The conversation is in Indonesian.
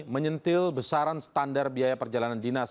menyentil besaran standar biaya perjalanan dinas